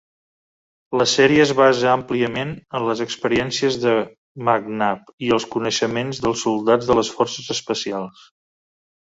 La sèrie es basa àmpliament en les experiències de McNab i els coneixements dels soldats de les forces especials.